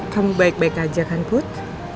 kamu baik baik aja kan put